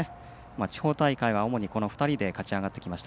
地方大会は主にこの２人で勝ち上がってきました。